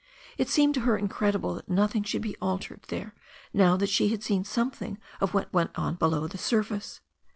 It seemed to her incredible that nothing should be altered there now that she had seen something of what went on below the suti^ite.